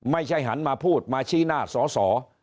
ไม่ใช่หันมาพูดมาชี้หน้าสอสอ